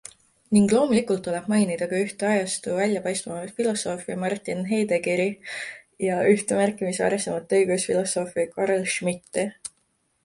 Ning loomulikult tuleb mainida ka üht ajastu väljapaistvamat filosoofi Martin Heideggeri ja üht märkimisväärsemat õigusfilosoofi Carl Schmitti.